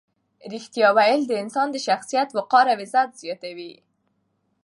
ریښتیا ویل د انسان د شخصیت وقار او عزت زیاتوي.